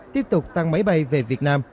tiếp tục tăng máy bay về việt nam